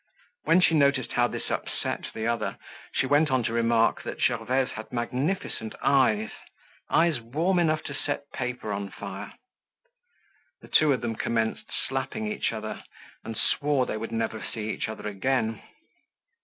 When she noticed how this upset the other, she went on to remark that Gervaise had magnificent eyes, eyes warm enough to set paper on fire. The two of them commenced slapping each other and swore they never would see each other again.